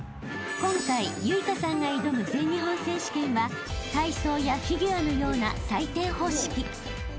［今回結翔さんが挑む全日本選手権は体操やフィギュアのような採点方式］